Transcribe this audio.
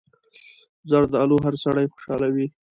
زردالو هر سړی خوشحالوي.